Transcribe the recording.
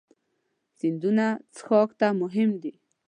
سیندونه څښاک ته مهم دي.